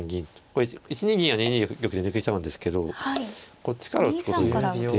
これ１二銀や２二玉で抜けちゃうんですけどもこっちから打つことによって。